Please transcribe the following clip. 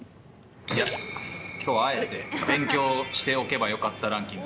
いや、きょうはあえて、勉強しておけばよかったランキング